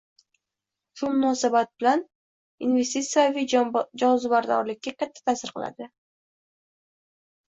shu munosabat bilan investitsiyaviy jozibadorlikka katta ta’sir qiladi.